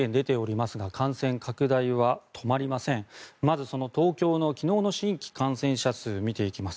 まず、その東京の昨日の新規感染者数を見ていきます。